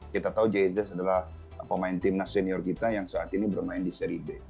kita tahu jais adalah pemain timnas senior kita yang saat ini bermain di seri b